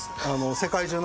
世界中の。